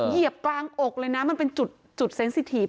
เหยียบกลางอกเลยนะมันเป็นจุดเซ็งสิทีฟ